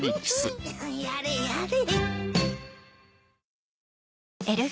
やれやれ。